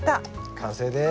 完成です。